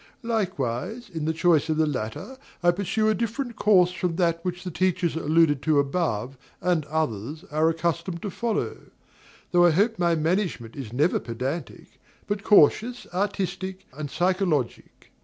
Likewise, in the choice of the latter, I pursue a different course from that which the teachers alluded to above and others are accustomed to follow; though I hope my management is never pedantic, but cautious, artistic, and psychologic.